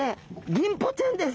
ギンポちゃんです。